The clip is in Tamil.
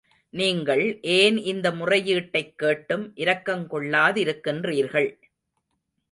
நீங்கள் ஏன் இந்த முறையீட்டைக் கேட்டும் இரக்கங் கொள்ளா திருக்கின்றீர்கள்?